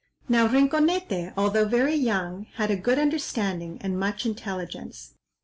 Now Rinconete, although very young, had a good understanding, and much intelligence.